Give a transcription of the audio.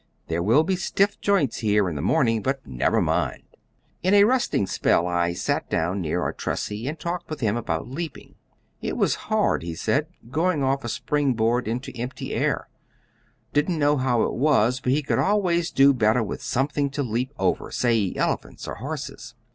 There will be stiff joints here in the morning, but never mind! In a resting spell I sat down by Artressi and talked with him about leaping. It was hard, he said, going off a spring board into empty air. Didn't know how it was, but he could always do better with something to leap over, say elephants or horses.